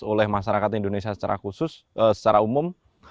oleh masyarakat indonesia secara khusus secara umum